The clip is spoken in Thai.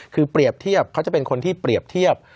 คือเปรียบเทียบเขาจะเป็นคนที่เปรียบเทียบ